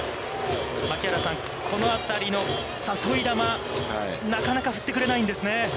槙原さん、このあたりの誘い球、なかなか振ってくれないんですね。